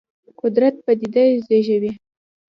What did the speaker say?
قدرت پدیده زېږولې.